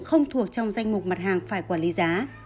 không thuộc trong danh mục mặt hàng phải quản lý giá